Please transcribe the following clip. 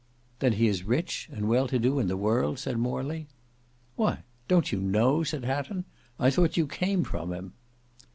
"Then he is rich, and well to do in the world? said Morley." "Why, don't you know?" said Hatton; "I thought you came from him!"